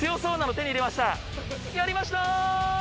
やりました！